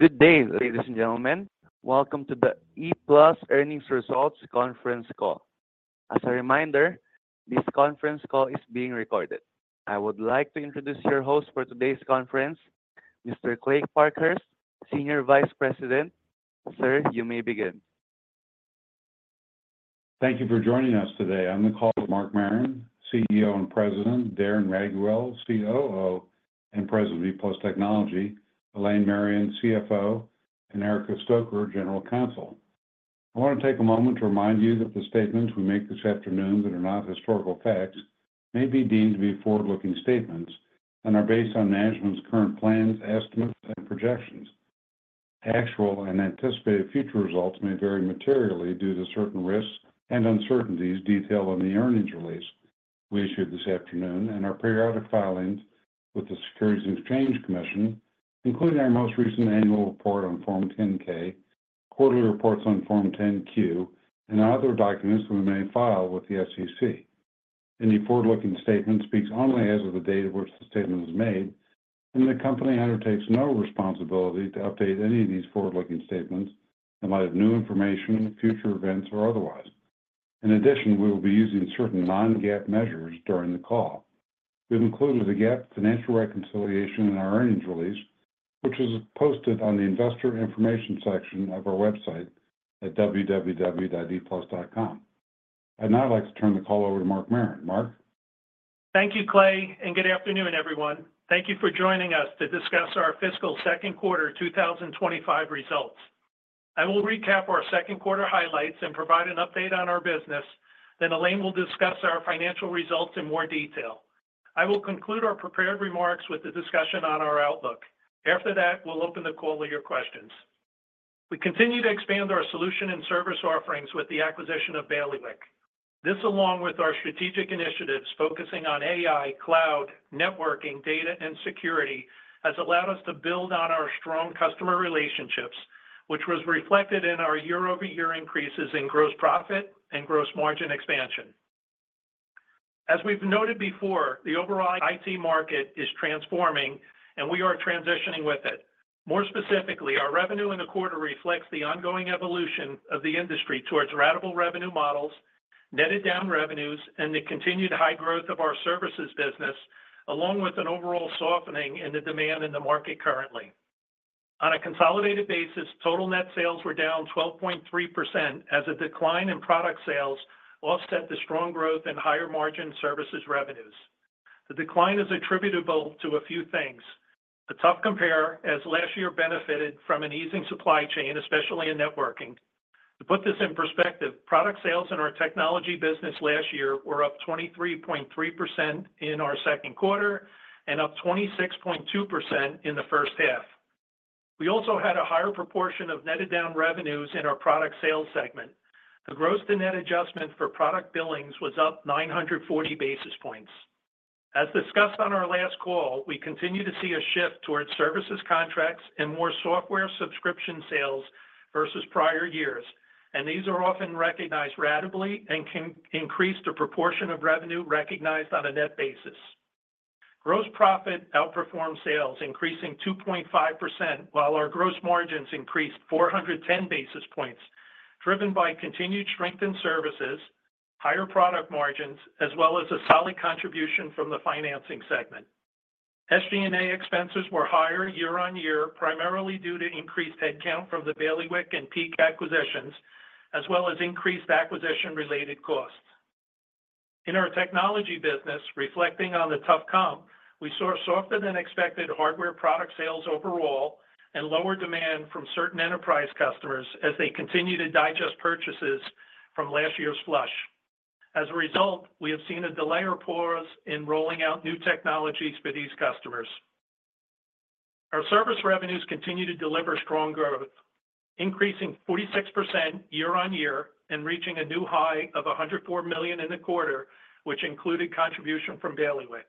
Good day, ladies and gentlemen. Welcome to the ePlus Earnings Results Conference Call. As a reminder, this conference call is being recorded. I would like to introduce your host for today's conference, Mr. Kley Parkhurst, Senior Vice President. Sir, you may begin. Thank you for joining us today. On the call, Mark Marron, CEO and President, Darren Raiguel, COO and President of ePlus Technology, Elaine Marion, CFO, and Erica Stoecker, General Counsel. I want to take a moment to remind you that the statements we make this afternoon that are not historical facts may be deemed to be forward-looking statements and are based on management's current plans, estimates, and projections. Actual and anticipated future results may vary materially due to certain risks and uncertainties detailed on the earnings release we issued this afternoon and our periodic filings with the Securities and Exchange Commission, including our most recent annual report on Form 10-K, quarterly reports on Form 10-Q, and other documents that we may file with the SEC. Any forward-looking statement speaks only as of the date at which the statement is made, and the company undertakes no responsibility to update any of these forward-looking statements in light of new information, future events, or otherwise. In addition, we will be using certain Non-GAAP measures during the call. We've included a GAAP financial reconciliation in our earnings release, which is posted on the investor information section of our website at www.eplus.com. I'd now like to turn the call over to Mark Marron. Mark. Thank you, Kley, and good afternoon, everyone. Thank you for joining us to discuss our fiscal second quarter 2025 results. I will recap our second quarter highlights and provide an update on our business. Then Elaine will discuss our financial results in more detail. I will conclude our prepared remarks with a discussion on our outlook. After that, we'll open the call to your questions. We continue to expand our solution and service offerings with the acquisition of Bailiwick. This, along with our strategic initiatives focusing on AI, cloud, networking, data, and security, has allowed us to build on our strong customer relationships, which was reflected in our year-over-year increases in gross profit and gross margin expansion. As we've noted before, the overall IT market is transforming, and we are transitioning with it. More specifically, our revenue in the quarter reflects the ongoing evolution of the industry towards ratable revenue models, netted down revenues, and the continued high growth of our services business, along with an overall softening in the demand in the market currently. On a consolidated basis, total net sales were down 12.3% as a decline in product sales offset the strong growth in higher margin services revenues. The decline is attributable to a few things. The tough compare as last year benefited from an easing supply chain, especially in networking. To put this in perspective, product sales in our technology business last year were up 23.3% in our second quarter and up 26.2% in the first half. We also had a higher proportion of netted down revenues in our product sales segment. The gross to net adjustment for product billings was up 940 basis points. As discussed on our last call, we continue to see a shift towards services contracts and more software subscription sales versus prior years, and these are often recognized ratably and can increase the proportion of revenue recognized on a net basis. Gross profit outperformed sales, increasing 2.5%, while our gross margins increased 410 basis points, driven by continued strength in services, higher product margins, as well as a solid contribution from the financing segment. SG&A expenses were higher year-on-year, primarily due to increased headcount from the Bailiwick and Peak acquisitions, as well as increased acquisition-related costs. In our technology business, reflecting on the tough comp, we saw softer than expected hardware product sales overall and lower demand from certain enterprise customers as they continue to digest purchases from last year's flush. As a result, we have seen a delay or pause in rolling out new technologies for these customers. Our service revenues continue to deliver strong growth, increasing 46% year-on-year and reaching a new high of $104 million in the quarter, which included contribution from Bailiwick.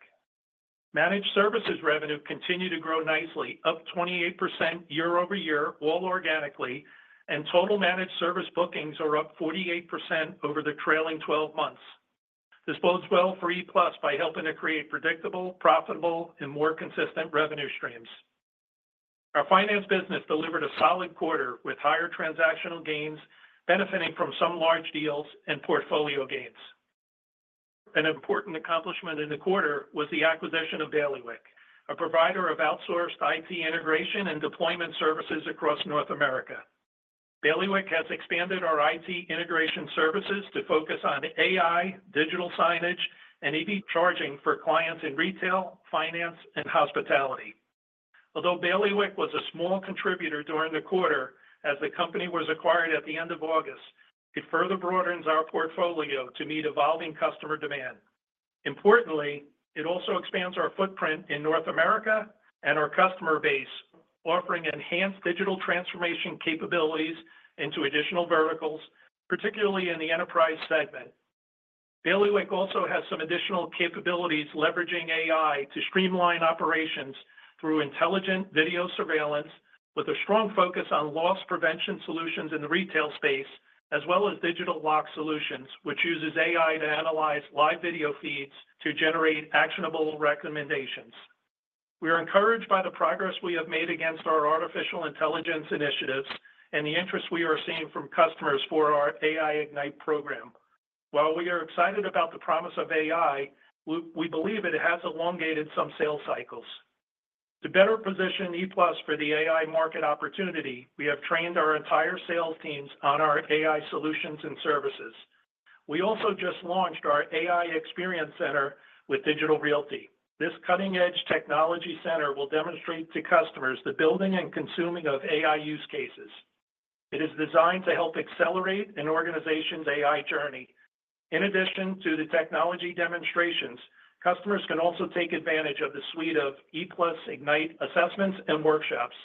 Managed services revenue continued to grow nicely, up 28% year-over-year, all organically, and total managed service bookings are up 48% over the trailing 12 months. This bodes well for ePlus by helping to create predictable, profitable, and more consistent revenue streams. Our finance business delivered a solid quarter with higher transactional gains, benefiting from some large deals and portfolio gains. An important accomplishment in the quarter was the acquisition of Bailiwick, a provider of outsourced IT integration and deployment services across North America. Bailiwick has expanded our IT integration services to focus on AI, digital signage, and EV charging for clients in retail, finance, and hospitality. Although Bailiwick was a small contributor during the quarter as the company was acquired at the end of August, it further broadens our portfolio to meet evolving customer demand. Importantly, it also expands our footprint in North America and our customer base, offering enhanced digital transformation capabilities into additional verticals, particularly in the enterprise segment. Bailiwick also has some additional capabilities leveraging AI to streamline operations through intelligent video surveillance, with a strong focus on loss prevention solutions in the retail space, as well as digital lock solutions, which uses AI to analyze live video feeds to generate actionable recommendations. We are encouraged by the progress we have made against our artificial intelligence initiatives and the interest we are seeing from customers for our AI Ignite program. While we are excited about the promise of AI, we believe it has elongated some sales cycles. To better position ePlus for the AI market opportunity, we have trained our entire sales teams on our AI solutions and services. We also just launched our AI Experience Center with Digital Realty. This cutting-edge technology center will demonstrate to customers the building and consuming of AI use cases. It is designed to help accelerate an organization's AI journey. In addition to the technology demonstrations, customers can also take advantage of the suite of ePlus AI Ignite assessments and workshops.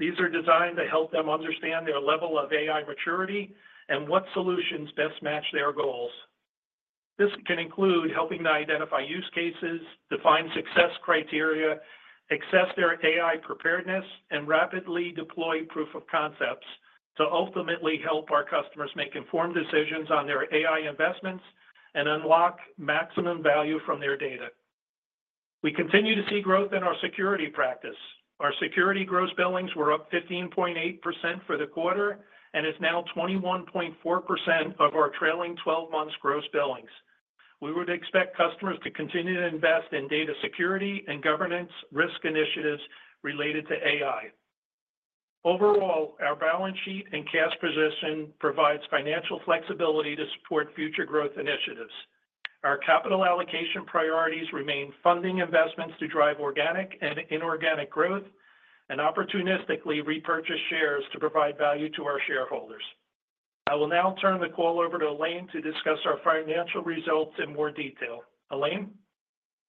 These are designed to help them understand their level of AI maturity and what solutions best match their goals. This can include helping to identify use cases, define success criteria, assess their AI preparedness, and rapidly deploy proof of concepts to ultimately help our customers make informed decisions on their AI investments and unlock maximum value from their data. We continue to see growth in our security practice. Our security gross billings were up 15.8% for the quarter and is now 21.4% of our trailing 12 months' gross billings. We would expect customers to continue to invest in data security and governance risk initiatives related to AI. Overall, our balance sheet and cash position provides financial flexibility to support future growth initiatives. Our capital allocation priorities remain funding investments to drive organic and inorganic growth and opportunistically repurchase shares to provide value to our shareholders. I will now turn the call over to Elaine to discuss our financial results in more detail. Elaine.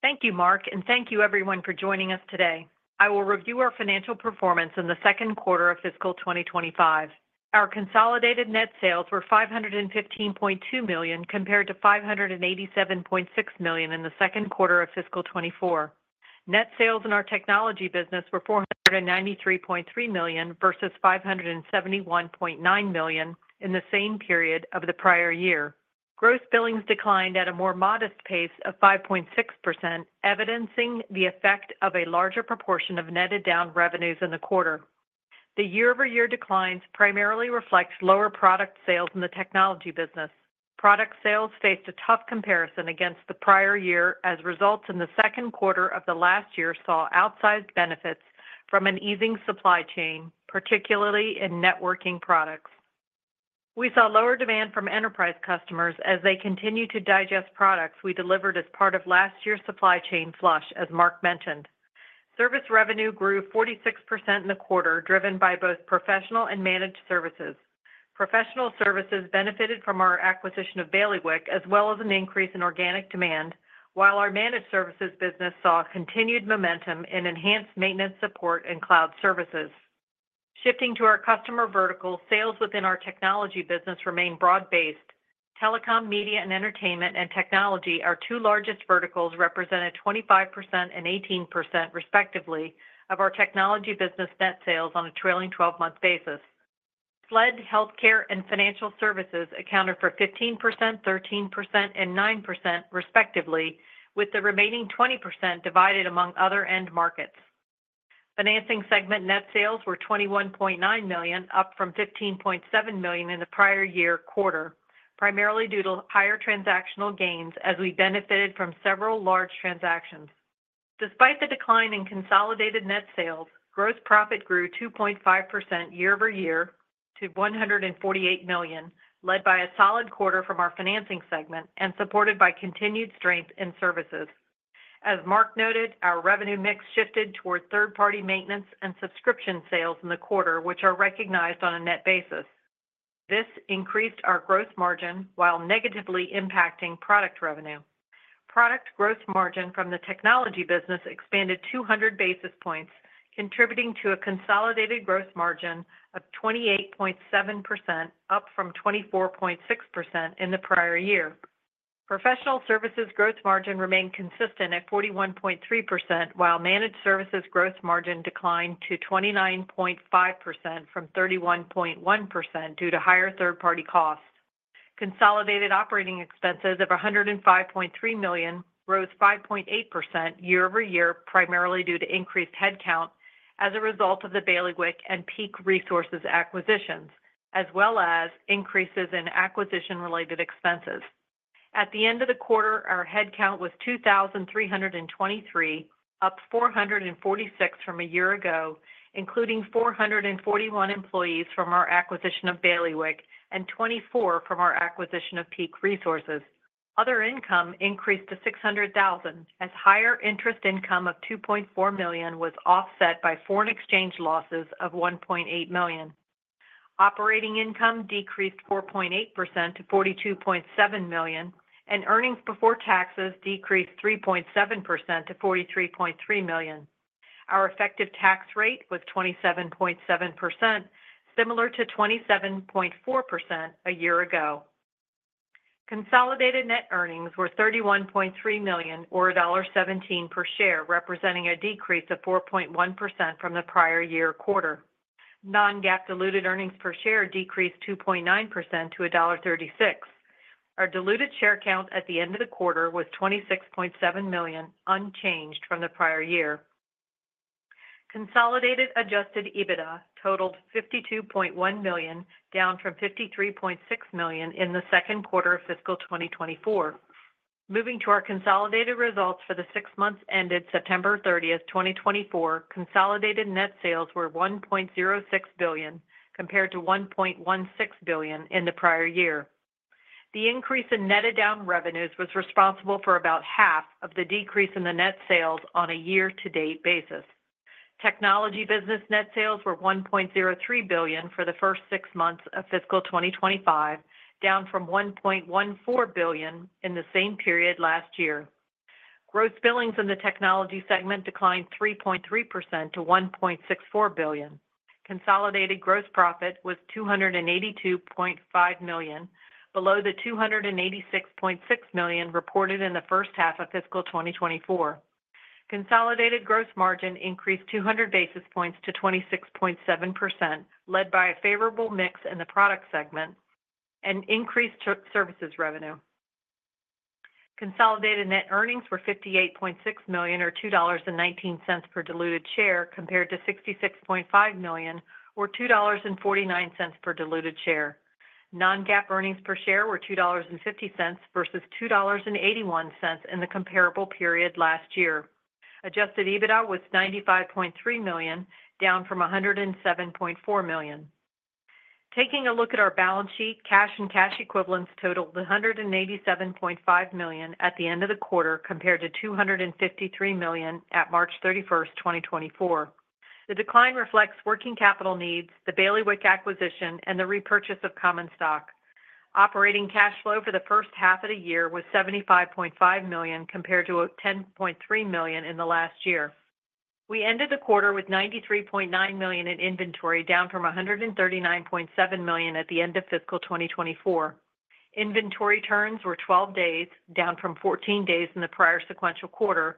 Thank you, Mark, and thank you, everyone, for joining us today. I will review our financial performance in the second quarter of fiscal 2025. Our consolidated net sales were $515.2 million compared to $587.6 million in the second quarter of fiscal 2024. Net sales in our technology business were $493.3 million versus $571.9 million in the same period of the prior year. Gross billings declined at a more modest pace of 5.6%, evidencing the effect of a larger proportion of netted down revenues in the quarter. The year-over-year declines primarily reflect lower product sales in the technology business. Product sales faced a tough comparison against the prior year, as results in the second quarter of the last year saw outsized benefits from an easing supply chain, particularly in networking products. We saw lower demand from enterprise customers as they continue to digest products we delivered as part of last year's supply chain flush, as Mark mentioned. Service revenue grew 46% in the quarter, driven by both professional and managed services. Professional services benefited from our acquisition of Bailiwick, as well as an increase in organic demand, while our managed services business saw continued momentum in enhanced maintenance support and cloud services. Shifting to our customer vertical, sales within our technology business remain broad-based. Telecom, media, and entertainment and technology, our two largest verticals, represented 25% and 18%, respectively, of our technology business net sales on a trailing 12-month basis. Fed, healthcare, and financial services accounted for 15%, 13%, and 9%, respectively, with the remaining 20% divided among other end markets. Financing segment net sales were $21.9 million, up from $15.7 million in the prior year quarter, primarily due to higher transactional gains as we benefited from several large transactions. Despite the decline in consolidated net sales, gross profit grew 2.5% year-over-year to $148 million, led by a solid quarter from our financing segment and supported by continued strength in services. As Mark noted, our revenue mix shifted toward third-party maintenance and subscription sales in the quarter, which are recognized on a net basis. This increased our gross margin while negatively impacting product revenue. Product gross margin from the technology business expanded 200 basis points, contributing to a consolidated gross margin of 28.7%, up from 24.6% in the prior year. Professional services gross margin remained consistent at 41.3%, while managed services gross margin declined to 29.5% from 31.1% due to higher third-party costs. Consolidated operating expenses of $105.3 million rose 5.8% year-over-year, primarily due to increased headcount as a result of the Bailiwick and Peak Resources acquisitions, as well as increases in acquisition-related expenses. At the end of the quarter, our headcount was 2,323, up 446 from a year ago, including 441 employees from our acquisition of Bailiwick and 24 from our acquisition of Peak Resources. Other income increased to $600,000 as higher interest income of $2.4 million was offset by foreign exchange losses of $1.8 million. Operating income decreased 4.8% to $42.7 million, and earnings before taxes decreased 3.7% to $43.3 million. Our effective tax rate was 27.7%, similar to 27.4% a year ago. Consolidated net earnings were $31.3 million or $1.17 per share, representing a decrease of 4.1% from the prior year quarter. Non-GAAP diluted earnings per share decreased 2.9% to $1.36. Our diluted share count at the end of the quarter was 26.7 million, unchanged from the prior year. Consolidated Adjusted EBITDA totaled $52.1 million, down from $53.6 million in the second quarter of fiscal 2024. Moving to our consolidated results for the six months ended September 30, 2024, consolidated net sales were $1.06 billion, compared to $1.16 billion in the prior year. The increase in netted down revenues was responsible for about half of the decrease in the net sales on a year-to-date basis. Technology business net sales were $1.03 billion for the first six months of fiscal 2025, down from $1.14 billion in the same period last year. Gross billings in the technology segment declined 3.3% to $1.64 billion. Consolidated gross profit was $282.5 million, below the $286.6 million reported in the first half of fiscal 2024. Consolidated gross margin increased 200 basis points to 26.7%, led by a favorable mix in the product segment and increased services revenue. Consolidated net earnings were $58.6 million or $2.19 per diluted share, compared to $66.5 million or $2.49 per diluted share. Non-GAAP earnings per share were $2.50 versus $2.81 in the comparable period last year. Adjusted EBITDA was $95.3 million, down from $107.4 million. Taking a look at our balance sheet, cash and cash equivalents totaled $187.5 million at the end of the quarter, compared to $253 million at March 31, 2024. The decline reflects working capital needs, the Bailiwick acquisition, and the repurchase of common stock. Operating cash flow for the first half of the year was $75.5 million, compared to $10.3 million in the last year. We ended the quarter with $93.9 million in inventory, down from $139.7 million at the end of fiscal 2024. Inventory turns were 12 days, down from 14 days in the prior sequential quarter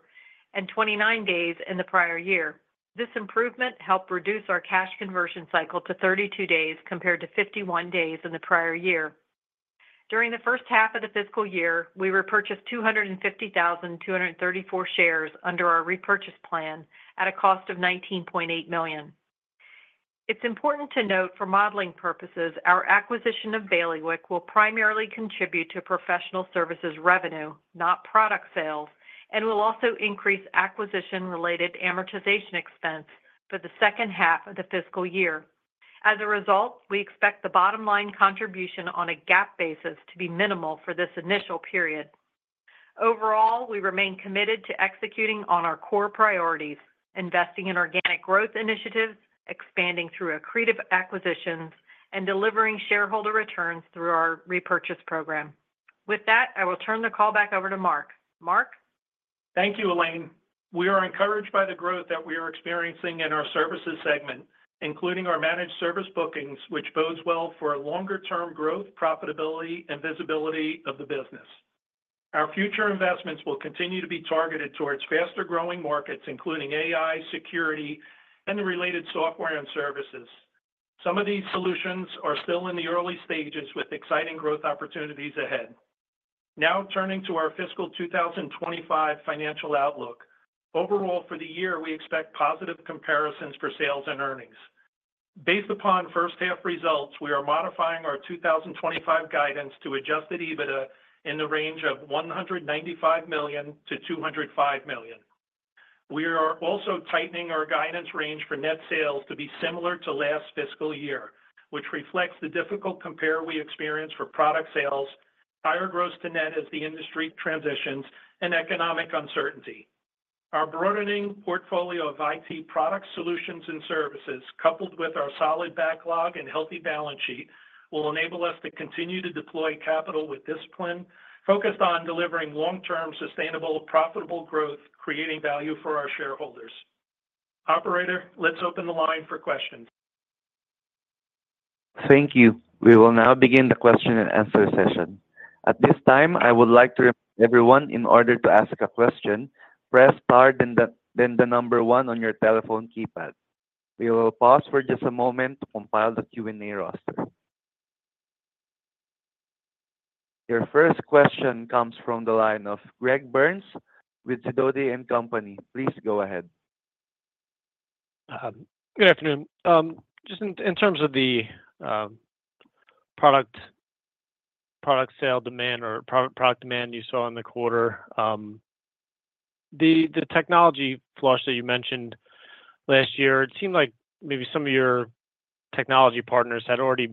and 29 days in the prior year. This improvement helped reduce our cash conversion cycle to 32 days compared to 51 days in the prior year. During the first half of the fiscal year, we repurchased 250,234 shares under our repurchase plan at a cost of $19.8 million. It's important to note for modeling purposes, our acquisition of Bailiwick will primarily contribute to professional services revenue, not product sales, and will also increase acquisition-related amortization expense for the second half of the fiscal year. As a result, we expect the bottom line contribution on a GAAP basis to be minimal for this initial period. Overall, we remain committed to executing on our core priorities, investing in organic growth initiatives, expanding through accretive acquisitions, and delivering shareholder returns through our repurchase program. With that, I will turn the call back over to Mark. Mark. Thank you, Elaine. We are encouraged by the growth that we are experiencing in our services segment, including our managed service bookings, which bodes well for longer-term growth, profitability, and visibility of the business. Our future investments will continue to be targeted towards faster-growing markets, including AI, security, and the related software and services. Some of these solutions are still in the early stages with exciting growth opportunities ahead. Now turning to our fiscal 2025 financial outlook, overall for the year, we expect positive comparisons for sales and earnings. Based upon first-half results, we are modifying our 2025 guidance to Adjusted EBITDA in the range of $195 million-$205 million. We are also tightening our guidance range for net sales to be similar to last fiscal year, which reflects the difficult compare we experience for product sales, higher gross to net as the industry transitions, and economic uncertainty. Our broadening portfolio of IT product solutions and services, coupled with our solid backlog and healthy balance sheet, will enable us to continue to deploy capital with discipline focused on delivering long-term sustainable profitable growth, creating value for our shareholders. Operator, let's open the line for questions. Thank you. We will now begin the question and answer session. At this time, I would like to remind everyone, in order to ask a question, press star then the number one on your telephone keypad. We will pause for just a moment to compile the Q&A roster. Your first question comes from the line of Greg Burns with Sidoti & Company. Please go ahead. Good afternoon. Just in terms of the product sale demand or product demand you saw in the quarter, the supply chain flush that you mentioned last year, it seemed like maybe some of your technology partners had already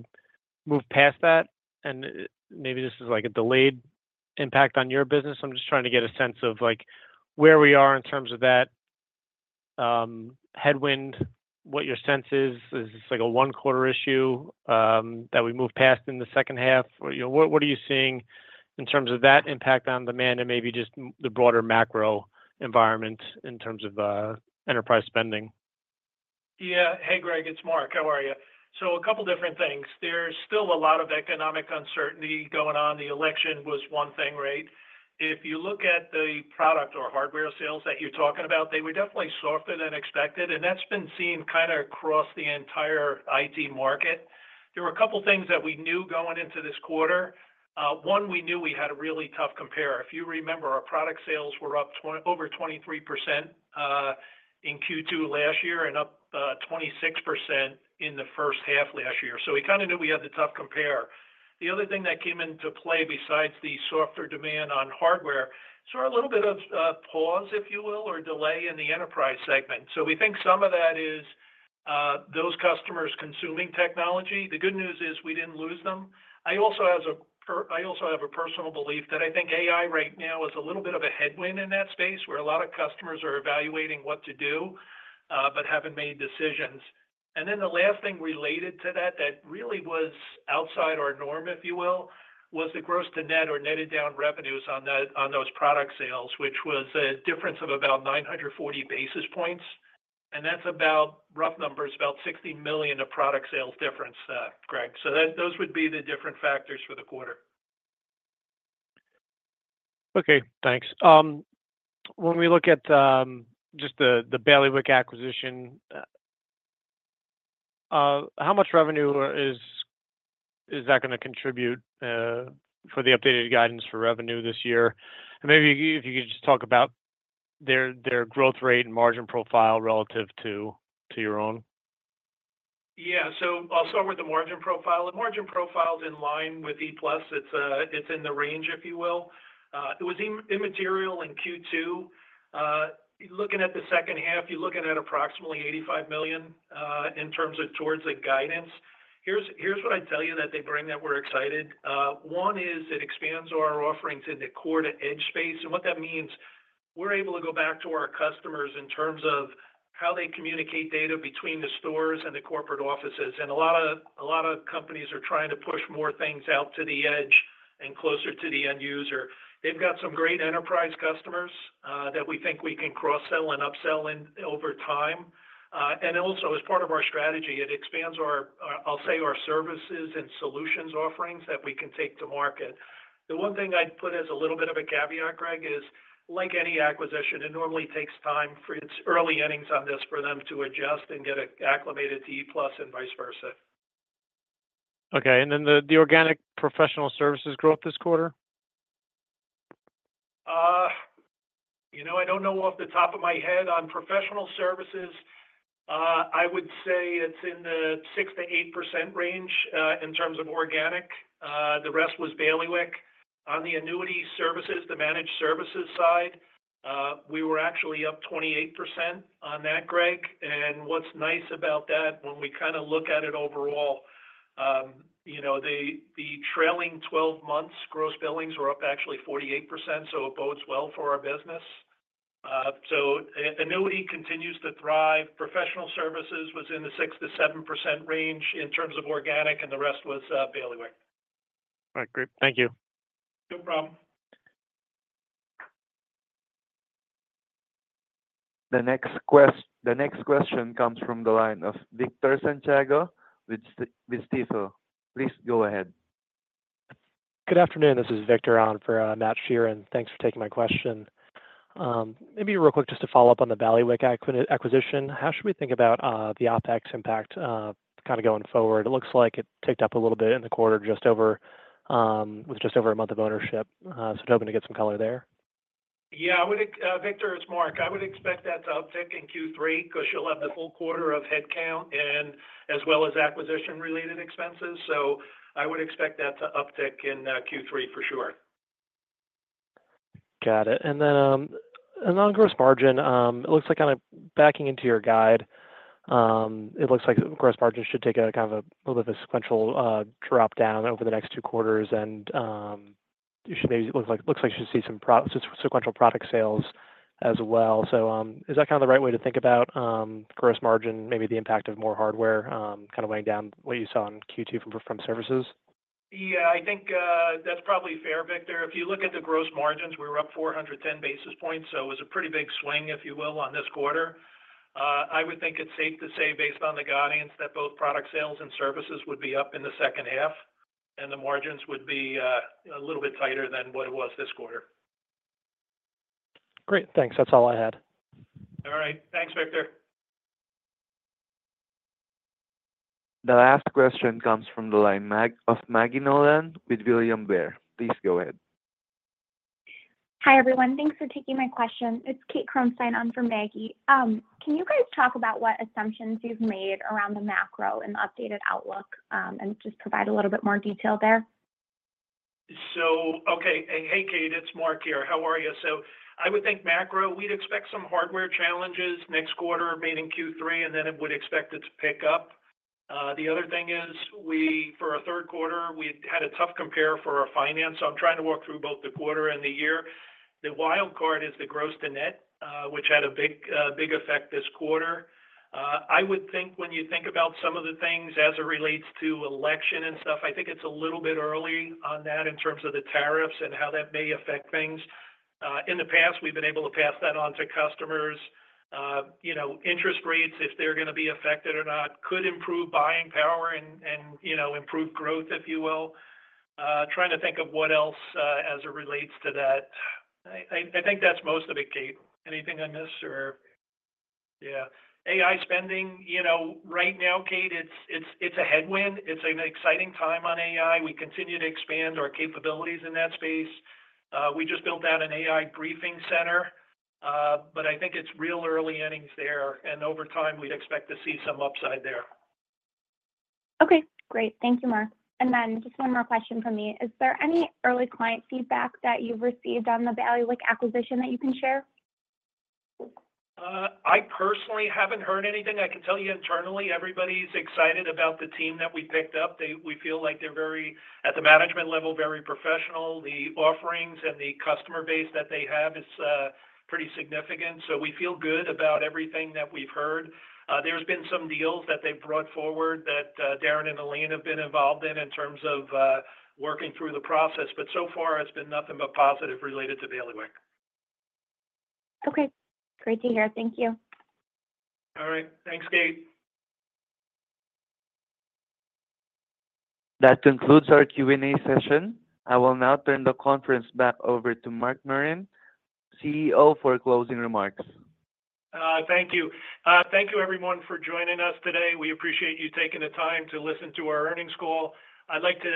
moved past that, and maybe this is like a delayed impact on your business. I'm just trying to get a sense of where we are in terms of that headwind, what your sense is. Is this like a one-quarter issue that we moved past in the second half? What are you seeing in terms of that impact on demand and maybe just the broader macro environment in terms of enterprise spending? Yeah. Hey, Greg, it's Mark. How are you? So a couple of different things. There's still a lot of economic uncertainty going on. The election was one thing, right? If you look at the product or hardware sales that you're talking about, they were definitely softer than expected. And that's been seen kind of across the entire IT market. There were a couple of things that we knew going into this quarter. One, we knew we had a really tough compare. If you remember, our product sales were up over 23% in Q2 last year and up 26% in the first half last year. So we kind of knew we had the tough compare. The other thing that came into play besides the softer demand on hardware, we saw a little bit of pause, if you will, or delay in the enterprise segment. So we think some of that is those customers consuming technology. The good news is we didn't lose them. I also have a personal belief that I think AI right now is a little bit of a headwind in that space where a lot of customers are evaluating what to do but haven't made decisions. And then the last thing related to that that really was outside our norm, if you will, was the gross to net or netted down revenues on those product sales, which was a difference of about 940 basis points. And that's about rough numbers, about $60 million of product sales difference, Greg. So those would be the different factors for the quarter. Okay. Thanks. When we look at just the Bailiwick acquisition, how much revenue is that going to contribute for the updated guidance for revenue this year? And maybe if you could just talk about their growth rate and margin profile relative to your own. Yeah. So I'll start with the margin profile. The margin profile's in line with ePlus. It's in the range, if you will. It was immaterial in Q2. Looking at the second half, you're looking at approximately $85 million in terms of towards the guidance. Here's what I'd tell you that they bring that we're excited. One is it expands our offerings in the core to edge space. And what that means, we're able to go back to our customers in terms of how they communicate data between the stores and the corporate offices. And a lot of companies are trying to push more things out to the edge and closer to the end user. They've got some great enterprise customers that we think we can cross-sell and upsell over time. And also, as part of our strategy, it expands our, I'll say, our services and solutions offerings that we can take to market. The one thing I'd put as a little bit of a caveat, Greg, is like any acquisition, it normally takes time for its early innings on this for them to adjust and get acclimated to ePlus and vice versa. Okay. And then the organic professional services growth this quarter? I don't know off the top of my head. On professional services, I would say it's in the 6%-8% range in terms of organic. The rest was Bailiwick. On the annuity services, the managed services side, we were actually up 28% on that, Greg, and what's nice about that, when we kind of look at it overall, the trailing 12 months' gross billings were up actually 48%. So it bodes well for our business, so annuity continues to thrive. Professional services was in the 6%-7% range in terms of organic, and the rest was Bailiwick. All right. Great. Thank you. No problem. The next question comes from the line of Victor Santiago with Stifel. Please go ahead. Good afternoon. This is Victor on for Matt Sheerin, and thanks for taking my question. Maybe real quick, just to follow up on the Bailiwick acquisition, how should we think about the OpEx impact kind of going forward? It looks like it ticked up a little bit in the quarter with just over a month of ownership, so hoping to get some color there. Yeah. Victor, it's Mark. I would expect that to uptick in Q3 because you'll have the full quarter of headcount as well as acquisition-related expenses. So I would expect that to uptick in Q3 for sure. Got it. And then on gross margin, it looks like kind of backing into your guide, it looks like gross margin should take a kind of a little bit of a sequential drop down over the next two quarters. And it looks like you should see some sequential product sales as well. So is that kind of the right way to think about gross margin, maybe the impact of more hardware kind of weighing down what you saw in Q2 from services? Yeah. I think that's probably fair, Victor. If you look at the gross margins, we were up 410 basis points. So it was a pretty big swing, if you will, on this quarter. I would think it's safe to say, based on the guidance, that both product sales and services would be up in the second half, and the margins would be a little bit tighter than what it was this quarter. Great. Thanks. That's all I had. All right. Thanks, Victor. The last question comes from the line of Maggie Nolan with William Blair. Please go ahead. Hi, everyone. Thanks for taking my question. It's Kate Kronstein on for Maggie. Can you guys talk about what assumptions you've made around the macro and updated outlook and just provide a little bit more detail there? So, okay. Hey, Kate. It's Mark here. How are you? So I would think macro, we'd expect some hardware challenges next quarter, meaning Q3, and then it would expect it to pick up. The other thing is, for our third quarter, we had a tough compare for our finance. So I'm trying to walk through both the quarter and the year. The wild card is the gross to net, which had a big effect this quarter. I would think when you think about some of the things as it relates to election and stuff, I think it's a little bit early on that in terms of the tariffs and how that may affect things. In the past, we've been able to pass that on to customers. Interest rates, if they're going to be affected or not, could improve buying power and improve growth, if you will. Trying to think of what else as it relates to that. I think that's most of it, Kate. Anything on this or? Yeah. AI spending, right now, Kate, it's a headwind. It's an exciting time on AI. We continue to expand our capabilities in that space. We just built out an AI briefing center, but I think it's real early innings there. And over time, we'd expect to see some upside there. Okay. Great. Thank you, Mark. And then just one more question from me. Is there any early client feedback that you've received on the Bailiwick acquisition that you can share? I personally haven't heard anything. I can tell you internally, everybody's excited about the team that we picked up. We feel like they're very, at the management level, very professional. The offerings and the customer base that they have is pretty significant. So we feel good about everything that we've heard. There's been some deals that they've brought forward that Darren and Elaine have been involved in terms of working through the process. But so far, it's been nothing but positive related to Bailiwick. Okay. Great to hear. Thank you. All right. Thanks, Kate. That concludes our Q&A session. I will now turn the conference back over to Mark Marron, CEO, for closing remarks. Thank you. Thank you, everyone, for joining us today. We appreciate you taking the time to listen to our earnings call. I'd like to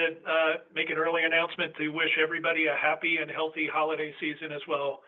make an early announcement to wish everybody a happy and healthy holiday season as well.